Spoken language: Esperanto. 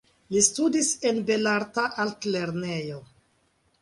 Li studis en Belarta Altlernejo.